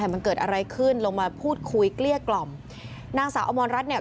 มันเกิดอะไรขึ้นลงมาพูดคุยเกลี้ยกล่อมนางสาวอมรรัฐเนี่ย